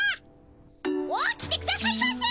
起きてくださいませ。